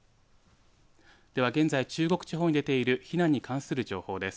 では現在中国地方に出ている避難に関する情報です。